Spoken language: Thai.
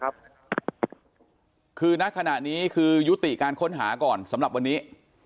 คือณขณะนี้คือยุติการค้นหาก่อนสำหรับวันนี้